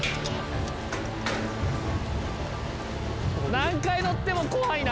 何回乗っても怖いな！